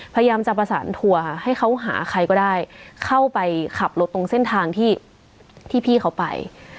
พยายามจะประสานทัวร์ให้เขาหาใครก็ได้เข้าไปขับรถตรงเส้นทางที่พี่เขาไป